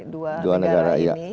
dua negara ini